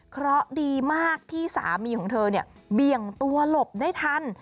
เพราะดีมากที่สามีของเธอเนี่ยเบี่ยงตัวหลบได้ทัน